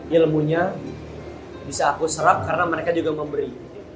ilmunya bisa aku serap karena mereka juga memberi